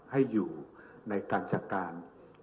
ให้อยู่ในการจัดการ